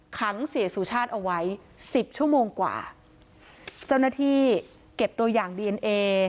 ขังเสียสุชาติเอาไว้สิบชั่วโมงกว่าเจ้าหน้าที่เก็บตัวอย่างดีเอนเอ